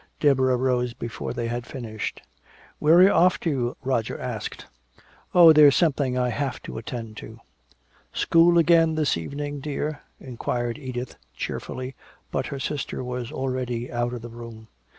Deborah rose before they had finished. "Where are you off to?" Roger asked. "Oh, there's something I have to attend to " "School again this evening, dear?" inquired Edith cheerfully, but her sister was already out of the room.